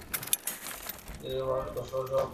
পৃথিবী তখন ছিল মানুষের বসবাসের উপযুক্ত।